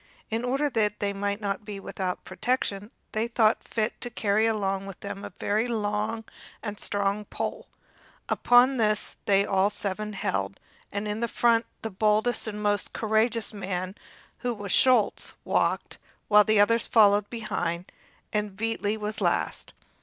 In order that they might not be without protection, they thought fit to carry along with them a very long and strong pole. Upon this they all seven held, and in front the boldest and most courageous man, who was Schulz, walked, while the others followed behind, and Veitli was last.